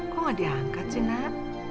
kok gak diangkat sih nak